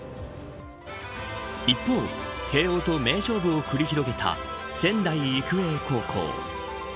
一方、慶応と名勝負を繰り広げた仙台育英高校。